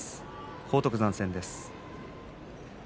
荒篤山戦です。